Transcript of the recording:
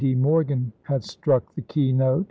D. Morgan had struck the keynote.